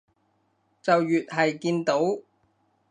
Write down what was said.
就越係見到